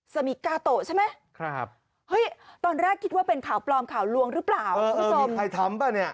สมิกกาโตใช่ไหมตอนแรกคิดว่าเป็นข่าวปลอมข่าวลวงหรือเปล่ามีใครทำป่ะเนี่ย